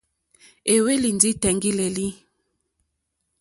Éhwélì ndí tèŋɡílǃélí.